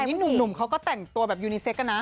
แต่เดี๋ยวนี่หนุ่มเค้ากูแต่งตัวอยู่ในเซ็กอะนะ